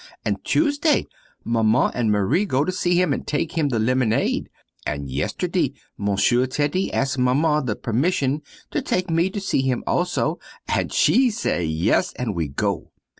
And Tuesday Maman and Marie go to see him and take him the lemonade. And yesterday Monsieur Teddy ask Maman the permission to take me to see him also and she say yes and we go.